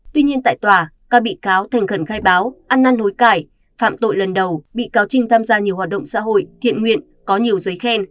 tuy nhiên tại tòa các bị cáo thành khẩn khai báo ăn năn hối cải phạm tội lần đầu bị cáo trinh tham gia nhiều hoạt động xã hội thiện nguyện có nhiều giấy khen